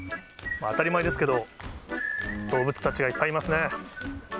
当たり前ですけど、動物たちがいっぱいいますね。